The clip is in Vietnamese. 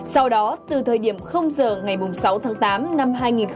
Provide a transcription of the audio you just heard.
sau đó từ thời điểm giờ ngày sáu tháng tám năm hai nghìn hai mươi hai